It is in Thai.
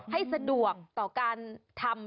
ให้สะดวกต่อการทำ